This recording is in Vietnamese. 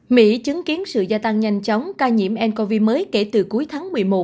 mỹ chứng kiến sự gia tăng nhanh chóng ca nhiễm ncov mới kể từ cuối tháng một mươi một